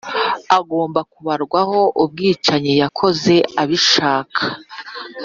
agomba kubarwaho ubwicanyi yakoze abishaka.